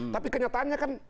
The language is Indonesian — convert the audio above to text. tapi kenyataannya kan